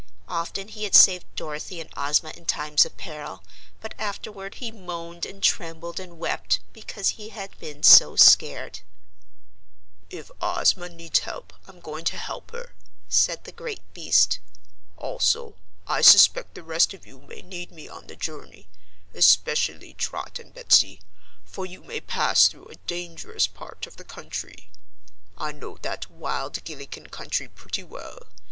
Often he had saved Dorothy and Ozma in times of peril, but afterward he moaned and trembled and wept because he had been so scared. "If Ozma needs help, I'm going to help her," said the great beast. "Also, I suspect the rest of you may need me on the journey especially Trot and Betsy for you may pass through a dangerous part of the country. I know that wild Gillikin country pretty well.